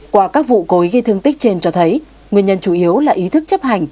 qua các vụ cối gây thương tích trên cho thấy nguyên nhân chủ yếu là ý thức chấp hành